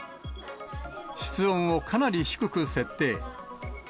室温をかなり低く設定。